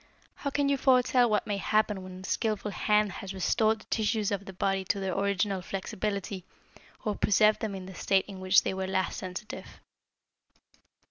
How can you foretell what may happen when a skilful hand has restored the tissues of the body to their original flexibility, or preserved them in the state in which they were last sensitive?"